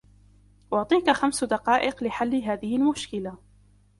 أُعطيك خَمس دقائق لحل هذه المشكلة.